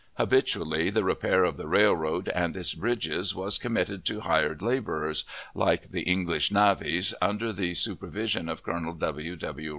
Habitually the repair of the railroad and its bridges was committed to hired laborers, like the English navies, under the supervision of Colonel W. W.